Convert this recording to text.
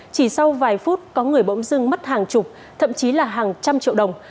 chỉ sau vài phút có người bỗng dưng mất hàng chục thậm chí là hàng trăm triệu đồng